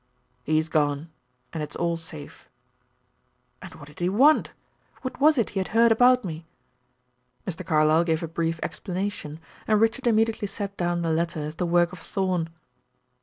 "He is gone, and it's all safe." "And what did he want? What was it he had heard about me?" Mr. Carlyle gave a brief explanation, and Richard immediately set down the letter as the work of Thorn.